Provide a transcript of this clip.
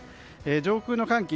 上空の寒気